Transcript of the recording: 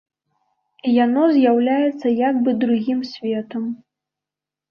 Яно з'яўляецца як бы другім светам.